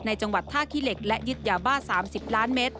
จังหวัดท่าขี้เหล็กและยึดยาบ้า๓๐ล้านเมตร